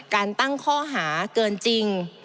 การตั้งข้อหาเกินจริง